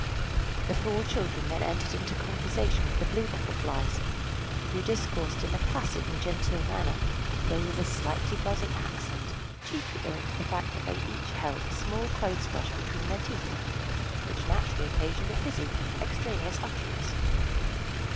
The four children then entered into conversation with the Blue Bottle Flies, who discoursed in a placid and genteel manner, though with a slightly buzzing accent, chiefly owing to the fact that they each held a small clothes brush between their teeth, which naturally occasioned a fizzy, extraneous utterance.